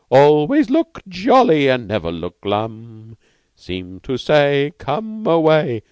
Always look jolly and never look glum; Seem to say Come away.